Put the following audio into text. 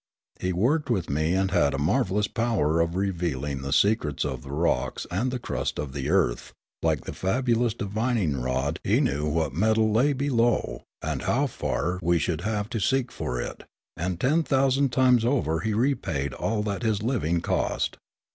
He worked with me and had a marv^ellous power of revealing the secrets of the rocks and the crust of the earth ; like the fabu lous divining rod he knew what metal lay below, and how far we should have to seek for it ; and ten thousand The Mysterious Shot 7 times over he repaid all that his living cost.